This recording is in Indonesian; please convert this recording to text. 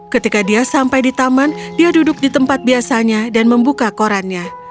ketika dia sampai di taman dia duduk di tempat biasanya dan membuka korannya